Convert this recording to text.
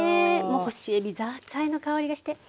もう干しえびザーサイの香りがして。